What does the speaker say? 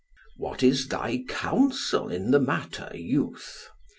"What is thy counsel in this matter, youth?"